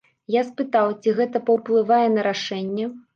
Я спытаў, ці гэта паўплывае на рашэнне?